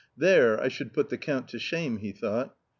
" There I should put him to shame," he thought.